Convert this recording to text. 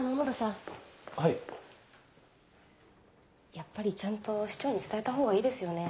やっぱりちゃんと市長に伝えた方がいいですよね？